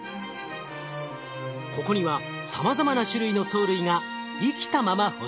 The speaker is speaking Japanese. ここにはさまざまな種類の藻類が生きたまま保存されています。